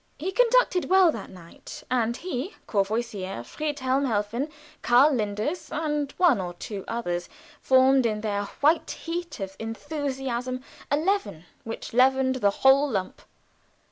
He conducted well that night; and he, Courvoisier, Friedhelm Helfen, Karl Linders, and one or two others, formed in their white heat of enthusiasm a leaven which leavened the whole lump.